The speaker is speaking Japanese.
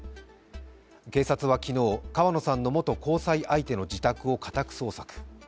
警察は昨日、川野さんの元交際相手の自宅を家宅捜索。